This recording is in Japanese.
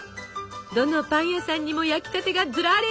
どのパン屋さんにも焼きたてがズラリ！